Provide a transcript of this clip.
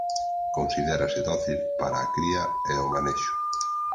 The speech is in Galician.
Considérase dócil para a cría e o manexo.